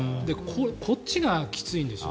こっちがきついんです。